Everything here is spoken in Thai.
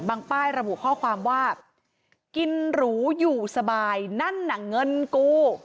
ป้ายระบุข้อความว่ากินหรูอยู่สบายนั่นน่ะเงินกู